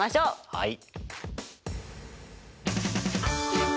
はい。